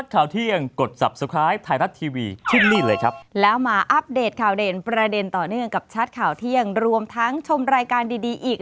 ข่าวไทยรัฐทีวี